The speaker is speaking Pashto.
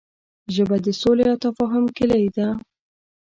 ژبه د سولې او تفاهم کلۍ ده